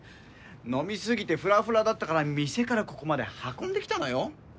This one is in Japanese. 飲み過ぎてふらふらだったから店からここまで運んできたのよ。